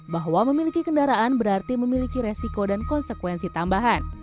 bahwa memiliki kendaraan berarti memiliki resiko dan konsekuensi tambahan